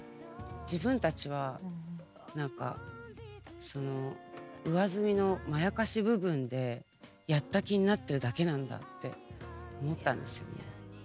自分たちは何かその上澄みのまやかし部分でやった気になってるだけなんだって思ったんですよね。